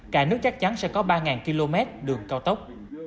cả nước chắc chắn sẽ có ba km đường cao tốc